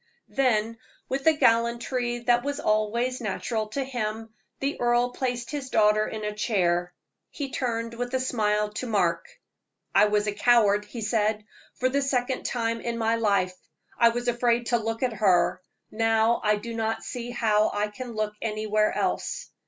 Then, with the gallantry that was always natural to him, the earl placed his daughter in a chair. He turned with a smile to Mark. "I was a coward," he said, "for the second time in my life. I was afraid to look at her; now I do not see how I can look anywhere else.